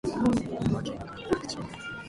群馬県甘楽町